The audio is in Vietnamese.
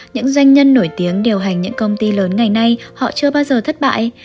những doanh nhân nổi tiếng điều hành những công ty lớn ngày nay họ chưa bao giờ thất bại